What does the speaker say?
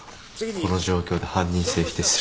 この状況で犯人性否定するって。